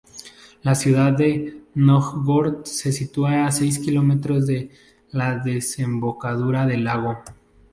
La ciudad de Nóvgorod se sitúa a seis kilómetros de la desembocadura del lago.